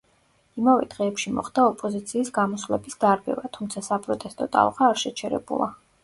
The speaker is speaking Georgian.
იმავე დღეებში მოხდა ოპოზიციის გამოსვლების დარბევა, თუმცა საპროტესტო ტალღა არ შეჩერებულა.